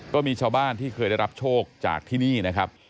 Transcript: ก็มีชาวบ้านที่เคยได้รับโชคจากที่นี่นะครับ